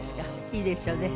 いいですよね。